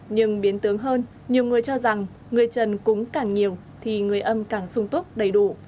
nhưng biến tướng hơn nhiều người cho rằng người trần cúng càng nhiều thì người âm càng sung túc đầy đủ